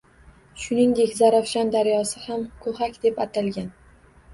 Shuningdek, Zarafshon daryosi ham Ko‘hak deb atalgan.